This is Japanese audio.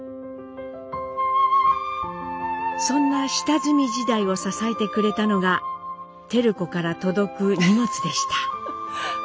そんな下積み時代を支えてくれたのが照子から届く荷物でした。